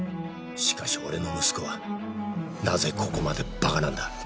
しかし俺の息子はなぜここまでバカなんだ